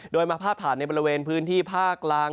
โดยมาพาดผ่านในบริเวณพื้นที่ภาคกลาง